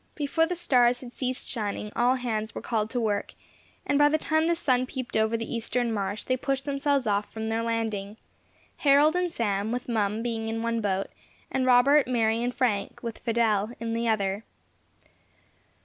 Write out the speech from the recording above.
Before the stars had ceased shining all hands were called to work, and by the time the sun peeped over the eastern marsh, they pushed off from their landing, Harold and Sam, with Mum, being in one boat, and Robert, Mary, and Frank, with Fidelle, in the other.